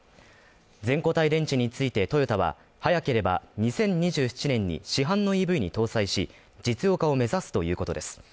全固体電池についてトヨタは、早ければ２０２７年に市販のＥＶに搭載し、実用化を目指すということです。